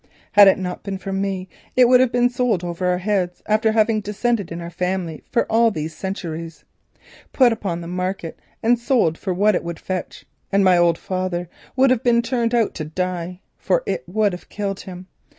Had it not been for me it would have been sold over our heads after having descended in our family for all these centuries, put upon the market and sold for what it would fetch, and my old father would have been turned out to die, for it would have killed him.